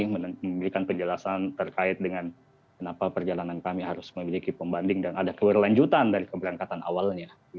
memberikan penjelasan terkait dengan kenapa perjalanan kami harus memiliki pembanding dan ada keberlanjutan dari keberangkatan awalnya